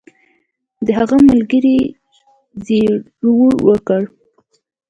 د هغه ملګري زګیروی وکړ